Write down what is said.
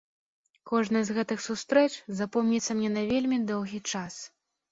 Кожная з гэтых сустрэч запомніцца мне на вельмі доўгі час.